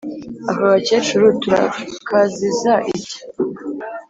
aka gakecuru turakaziza iki?